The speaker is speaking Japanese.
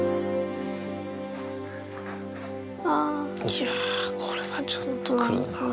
いやぁ、これはちょっとくるな。